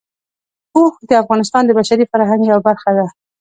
اوښ د افغانستان د بشري فرهنګ یوه برخه ده.